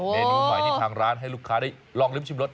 เมนูใหม่ที่ทางร้านให้ลูกค้าได้ลองลิ้มชิมรส